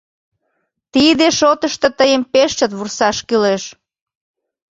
Тиде шотышто тыйым пеш чот вурсаш кӱлеш.